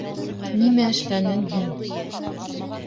Нимә эшләнең һин?